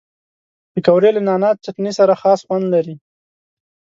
پکورې له نعناع چټني سره خاص خوند لري